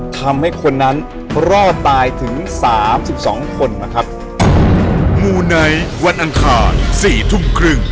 ทำให้คนนั้นรอดตายถึง๓๒คนนะครับ